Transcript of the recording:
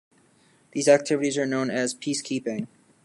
These activities are known as "peace keeping".